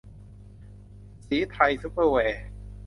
ศรีไทยซุปเปอร์แวร์